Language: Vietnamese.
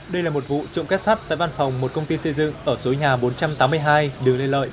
đây là một vụ trộm kết sắt tại văn phòng một công ty xây dựng ở số nhà bốn trăm tám mươi hai đường lê lợi